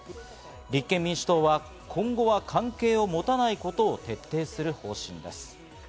立憲民主党は今後は関係を持たないことを徹底する方針です。